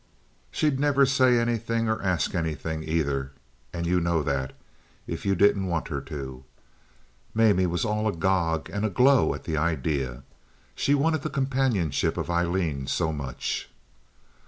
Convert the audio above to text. She'd never say anything or ask anything, either, and you know that—if you didn't want her to." Mamie was all agog and aglow at the idea. She wanted the companionship of Aileen so much.